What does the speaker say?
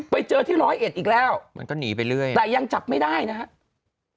ไปเจอที่ร้อยเอ็ดอีกแล้วมันก็หนีไปเรื่อยแต่ยังจับไม่ได้นะครับ